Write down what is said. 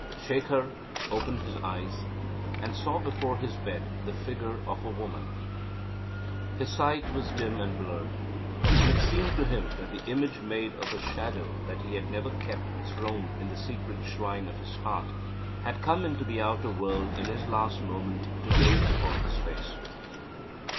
Shekhar opened his eyes and saw before his bed the figure of a woman. His sight was dim and blurred. And it seemed to him that the image made of a shadow that he had ever kept throned in the secret shrine of his heart had come into the outer world in his last moment to gaze upon his face.